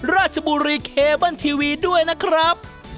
ราชบุรีเคเบิ้ลทีวีด้วยนะครับ